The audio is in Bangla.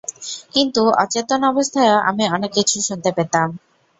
কিন্তু, অচেতন অবস্থায়ও আমি অনেক কিছু শুনতে পেতাম!